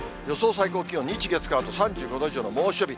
最高気温、日、月、火と３５度以上の猛暑日。